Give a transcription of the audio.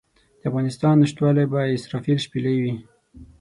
د افغانستان نشتوالی به د اسرافیل شپېلۍ وي.